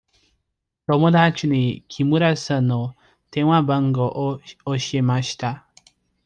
友達に木村さんの電話番号を教えました。